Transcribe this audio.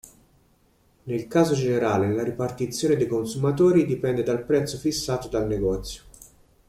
Nel caso generale, la ripartizione dei consumatori dipende dal prezzo fissato dal negozio.